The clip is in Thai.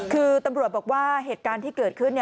คือตำรวจบอกว่าเหตุการณ์ที่เกิดขึ้น